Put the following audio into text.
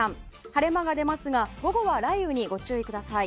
晴れ間が出ますが午後は雷雨にご注意ください。